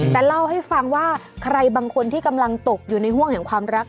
แต่เล่าให้ฟังว่าใครบางคนที่กำลังตกอยู่ในห่วงแห่งความรัก